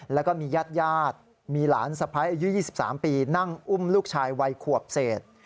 แล้วก็มีญาติมีหลานสะพ้ายอายุ๒๓ปีนั่งอุ้มลูกชายวัยขวบเศษ